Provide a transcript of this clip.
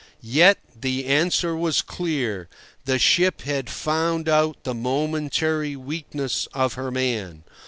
Yet the answer was clear. The ship had found out the momentary weakness of her man.